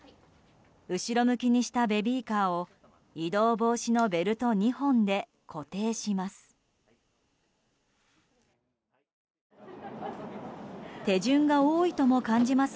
後ろ向きにしたベビーカーを移動防止のベルト２本で固定します。